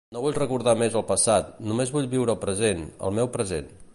No vull recordar més el passat, només vull viure el present, el meu present.